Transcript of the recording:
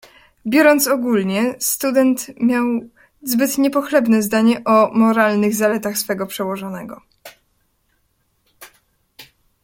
"Biorąc ogólnie, student miał zbyt niepochlebne zdanie o moralnych zaletach swego przełożonego."